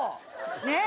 ねっ。